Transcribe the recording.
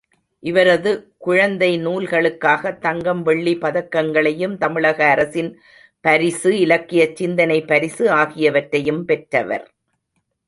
இவரது குழந்தை நூல்களுக்காக, தங்கம், வெள்ளி பதக்கங்களையும், தமிழக அரசின் பரிசு, இலக்கியச் சிந்தனை பரிசு ஆகியவற்றையும் பெற்றவர்.